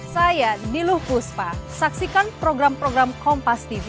saya diluh puspa saksikan program program kompas tv